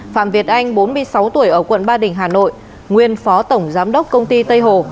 phạm việt anh bốn mươi sáu tuổi ở quận ba đình hà nội nguyên phó tổng giám đốc công ty tây hồ